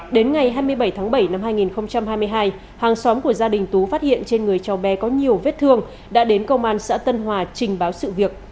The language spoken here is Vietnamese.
đến ngày hai mươi bảy tháng bảy năm hai nghìn hai mươi hai hàng xóm của gia đình tú phát hiện trên người cháu bé có nhiều vết thương đã đến công an xã tân hòa trình báo sự việc